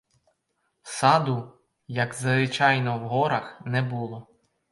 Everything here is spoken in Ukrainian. Саду, як звичайно в горах, не було.